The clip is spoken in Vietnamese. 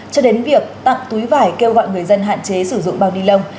cho đến việc tặng túi vải kêu gọi người dân hạn chế sử dụng bao đi lông